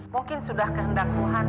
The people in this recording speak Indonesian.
mungkin sudah kehendak tuhan